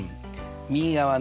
右側ね